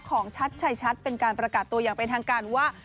ชัดชัยชัดเป็นการประกาศตัวอย่างเป็นทางการว่า